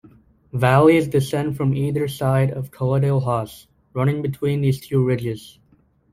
Valleys descend from either side of Coledale Hause, running between these two ridges.